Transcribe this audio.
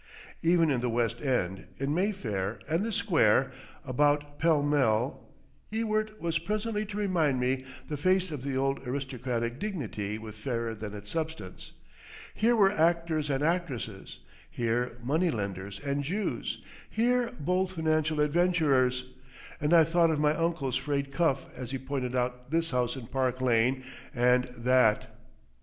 Even in the West End, in Mayfair and the square, about Pall Mall, Ewart was presently to remind me the face of the old aristocratic dignity was fairer than its substance; here were actors and actresses, here money lenders and Jews, here bold financial adventurers, and I thought of my uncle's frayed cuff as he pointed out this house in Park Lane and that.